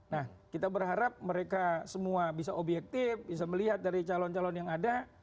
nah kita berharap mereka semua bisa objektif bisa melihat dari calon calon yang ada